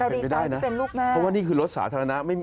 เป็นไปได้นะเพราะว่านี่คือรถสาธารณะไม่มี